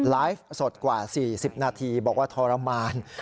ไลฟ์สดกว่า๔๐นาทีบอกว่าทรมาน